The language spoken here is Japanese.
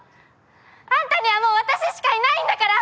あんたにはもう私しかいないんだから！